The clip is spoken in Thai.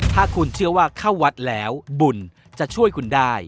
ถ้าคุณเชื่อว่าเข้าวัดแล้วบุญจะช่วยคุณได้